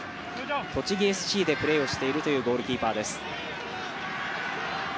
栃木ＳＣでプレーをしているというゴールキーパーです。